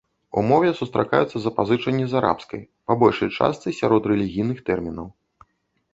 У мове сустракаюцца запазычанні з арабскай, па большай частцы сярод рэлігійных тэрмінаў.